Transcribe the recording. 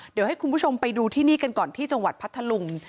เดี๋ยวให้คุณผู้ชมไปดูที่นี่กันก่อนที่จังหวัดพัทธลุง